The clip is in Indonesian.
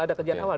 ada kejadian awal